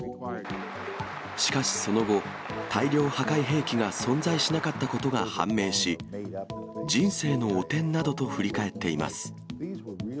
しかし、その後、大量破壊兵器が存在しなかったことが判明し、人生の汚点などと振り返っています。